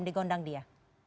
di gondang dia